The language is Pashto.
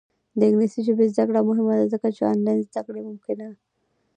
د انګلیسي ژبې زده کړه مهمه ده ځکه چې آنلاین زدکړه ممکنه کوي.